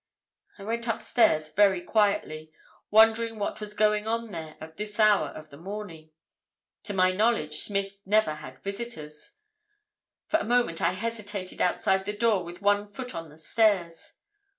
"I went upstairs very quietly, wondering what was going on there at this hour of the morning. To my knowledge Smith never had visitors. For a moment I hesitated outside the door with one foot on the stairs.